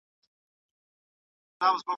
کارپوهانو به د هر فرد خوندیتوب باوري کوی.